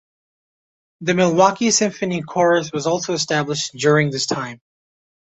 The Milwaukee Symphony Chorus was also established during this time.